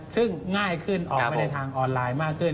ซึ่งง่ายขึ้นออกไปในทางออนไลน์มากขึ้น